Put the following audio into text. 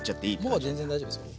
もう全然大丈夫ですよ。